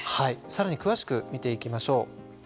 さらに詳しく見ていきましょう。